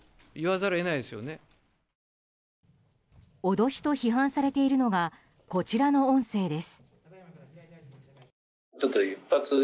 脅しと批判されているのがこちらの音声です。